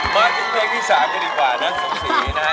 มาถึงเพลงที่๓กันดีกว่านะสมศรีนะฮะ